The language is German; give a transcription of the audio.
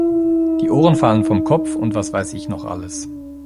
Die Ohren fallen vom Kopf und was weiß ich noch alles.